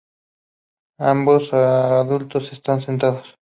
Ambos adultos están sentado.